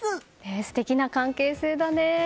素敵な関係性だね。